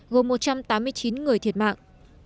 gồm một trăm tám mươi chín người thiệt mạng